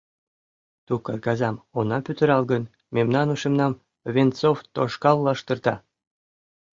«Ту каргазам она пӱтырал гын, мемнан ушемнам Венцов тошкал лаштырта.